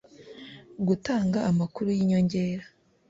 gutanga amakuru y inyongera